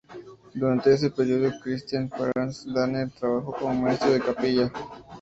Durante ese período Christian Franz Danner trabajó como maestro de capilla.